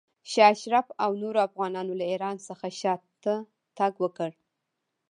شاه اشرف او نورو افغانانو له ایران څخه شاته تګ وکړ.